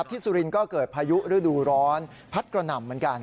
สุรินทร์ก็เกิดพายุฤดูร้อนพัดกระหน่ำเหมือนกัน